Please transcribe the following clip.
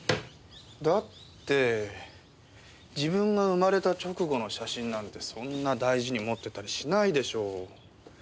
だって自分が生まれた直後の写真なんてそんな大事に持ってたりしないでしょう。